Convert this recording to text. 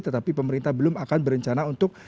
tetapi pemerintah belum akan berencana untuk